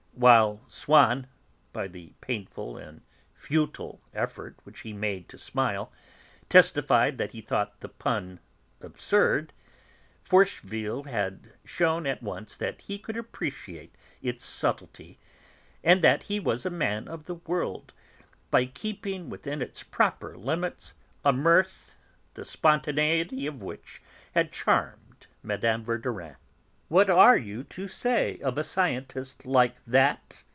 While Swann, by the painful and futile effort which he made to smile, testified that he thought the pun absurd, Forcheville had shewn at once that he could appreciate its subtlety, and that he was a man of the world, by keeping within its proper limits a mirth the spontaneity of which had charmed Mme. Verdurin. "What are you to say of a scientist like that?"